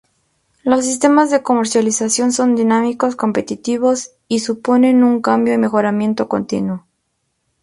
Los sistemas de comercialización son dinámicos, competitivos y suponen un cambio y mejoramiento continuo.